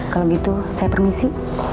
kalau gitu saya permisi